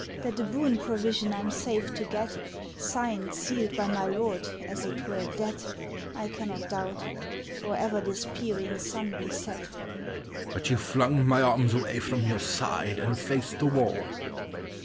"That a boon provision I'm safe to get, Signed, sealed by my lord as it were a debt, I cannot doubt, Or ever this peering sun be set." "But you flung my arms away from your side, And faced the wall.